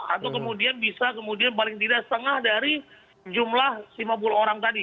atau kemudian bisa kemudian paling tidak setengah dari jumlah lima puluh orang tadi